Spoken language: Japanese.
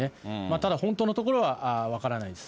ただ本当のところは分からないです。